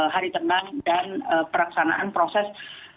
hari teman dan peraksanaan proses